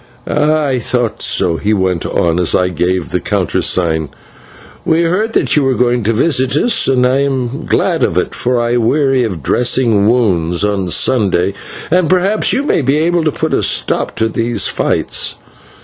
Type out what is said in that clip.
"Ah, I thought so," he went on as I gave the countersign; "we heard that you were going to visit us, and I am glad of it, for I weary of dressing wounds on Sundays, and perhaps you may be able to put a stop to these fights.